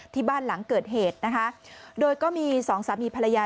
ที่บ้านหลังเกิดเหตุนะคะโดยก็มีสองสามีภรรยา